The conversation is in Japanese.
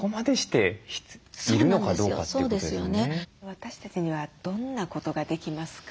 私たちにはどんなことができますか？